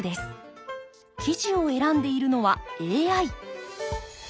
記事を選んでいるのはＡＩ。